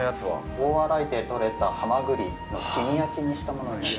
大洗で取れたハマグリの黄身焼きにしたものです。